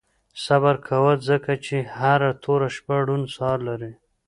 • صبر کوه، ځکه چې هره توره شپه روڼ سهار لري.